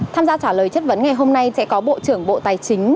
tham gia trả lời chất vấn ngày hôm nay sẽ có bộ trưởng bộ tài chính